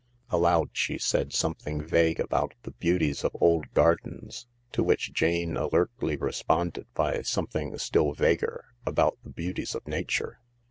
Aloud she said something vague about the beauties of old gardens, to which Jane alertly responded by something stilly vaguer about the beauties of Nature.